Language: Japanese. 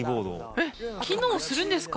えっ機能するんですか？